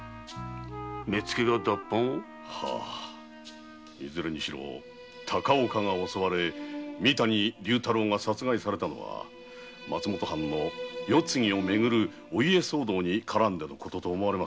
目付が脱藩⁉いずれにしろ高岡が襲われ三谷竜太郎が殺害されたのは松本藩世継ぎをめぐるお家騒動に絡んだことと思われます。